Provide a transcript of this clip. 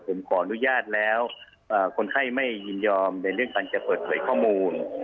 ผมขออนุญาตแล้วคนไข้ไม่ยินยอมในเรื่องการจะเปิดเผยข้อมูล